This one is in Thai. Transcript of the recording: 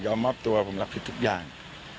ใช่ผมขอยอมอบตัวผมรับผิดทุกอย่าง